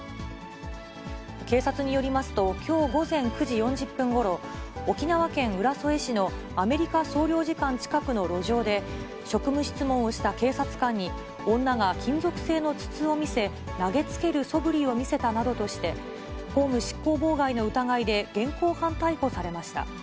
警察によりますと、きょう午前９時４０分ごろ、沖縄県浦添市のアメリカ総領事館近くの路上で、職務質問をした警察官に、女が金属製の筒を見せ、投げつけるそぶりを見せたなどとして、公務執行妨害の疑いで現行犯逮捕されました。